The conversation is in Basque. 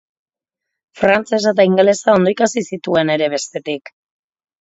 Frantsesa eta ingelesa ondo ikasi zituen ere, bestetik.